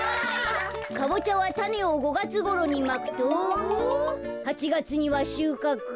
「かぼちゃはたねを５がつごろにまくと８がつにはしゅうかく」。